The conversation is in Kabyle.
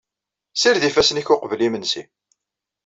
Sired ifassen-ik uqbel imensi.